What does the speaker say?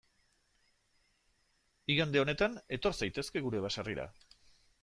Igande honetan etor zaitezke gure baserrira.